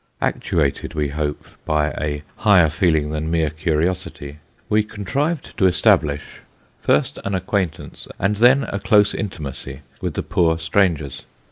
Actuated, we hope, by a higher feeling than mere curiosity, we con trived to establish, first an acquaintance, and then a close intimacy, with the poor strangers.